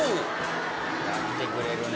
やってくれるね。